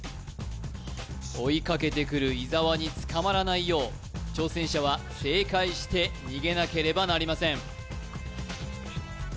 追いかけてくる伊沢に捕まらないよう挑戦者は正解して逃げなければなりません